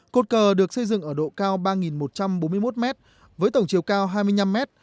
cột cờ được xây dựng ở độ cao ba một trăm bốn mươi một m với tổng chiều cao hai mươi năm mét